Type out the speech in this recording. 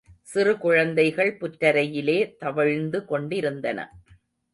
சிறு குழந்தைகள் புற்றரையிலே தவழ்ந்து கொண்டிருந்தன.